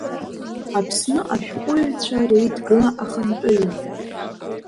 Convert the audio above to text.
Аԥсны ашәҟәыҩҩцәа Реидгыла ахантәаҩы…